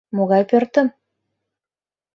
Могай пӧртым?